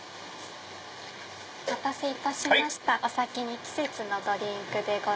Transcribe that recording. お待たせいたしましたお先に季節のドリンクです。